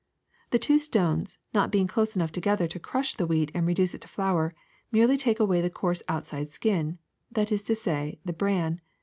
The two stones, not being close enough together to crush the wheat and reduce it to flour, merely take away the coarse outside skin, that is to say the bran.